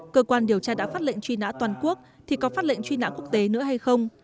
cơ quan điều tra đã phát lệnh truy nã toàn quốc thì có phát lệnh truy nã quốc tế nữa hay không